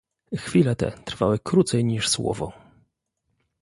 "Chwile te trwały krócej niż słowo."